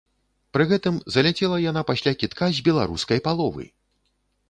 Пры гэтым заляцела яна пасля кідка з беларускай паловы!